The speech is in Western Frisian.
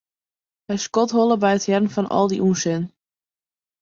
Hy skodholle by it hearren fan al dy ûnsin.